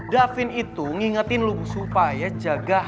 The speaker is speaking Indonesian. davin itu ngingetin lo supaya jaga dia